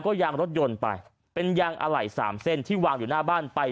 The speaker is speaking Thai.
ยางรถยนต์ไปเป็นยางอะไหล่สามเส้นที่วางอยู่หน้าบ้านไป